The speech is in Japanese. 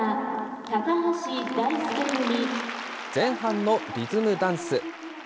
前半のリズムダンス。